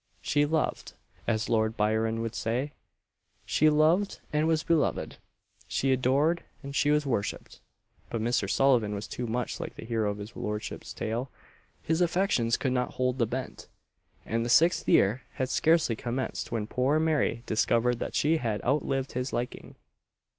She loved as Lord Byron would say, "She lov'd and was belov'd; she ador'd and she was worshipped;" but Mr. Sullivan was too much like the hero of his Lordship's tale his affections could not "hold the bent;" and the sixth year had scarcely commenced when poor Mary discovered that she had "outlived his liking."